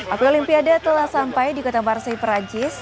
api olimpiade telah sampai di kota marseille prajis